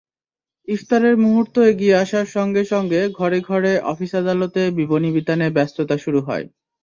ইফতারের মুহূর্ত এগিয়ে আসার সঙ্গে সঙ্গে ঘরে ঘরে, অফিস-আদালতে, বিপণিবিতানে ব্যস্ততা শুরু হয়।